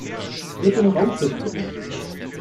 Mit dem Raumschiff bitte!